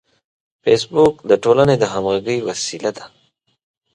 فېسبوک د ټولنې د همغږۍ وسیله ده